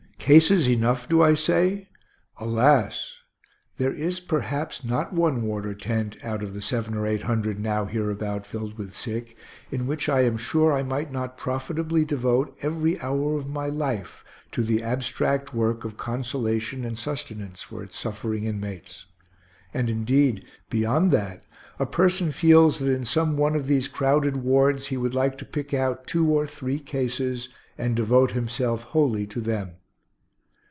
Cases enough, do I say? Alas! there is, perhaps, not one ward or tent, out of the seven or eight hundred now hereabout filled with sick, in which I am sure I might not profitably devote every hour of my life to the abstract work of consolation and sustenance for its suffering inmates. And indeed, beyond that, a person feels that in some one of these crowded wards he would like to pick out two or three cases and devote himself wholly to them.